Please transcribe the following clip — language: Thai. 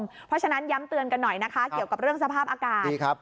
เพราะฉะนั้นย้ำเตือนกันหน่อยนะคะเกี่ยวกับเรื่องสภาพอากาศ